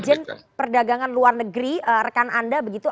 dirjen perdagangan luar negeri rekan anda begitu